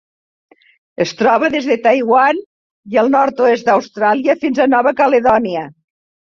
Es troba des de Taiwan i el nord-oest d'Austràlia fins a Nova Caledònia.